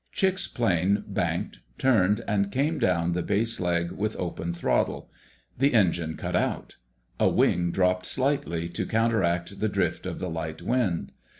Chick's plane banked, turned, and came down the base leg with open throttle. The engine cut out. A wing dropped slightly, to counteract the drift of the light wind.